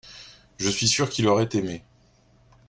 Je suis sûr qu’il aurait aimé.